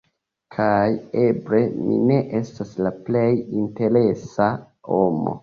Kaj eble mi ne estas la plej interesa homo.